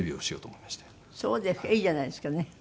いいじゃないですかね。